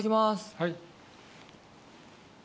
はい。